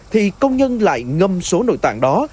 thì công nhân lại ngâm số nội tạng đó